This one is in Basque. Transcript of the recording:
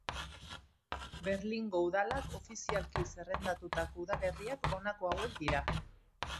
Berlingo Udalak ofizialki zerrendatutako udalerriak honako hauek dira.